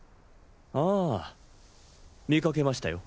ああ見かけましたよ。